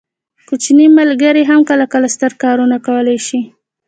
کوچني ملګري هم کله کله ستر کارونه کولی شي.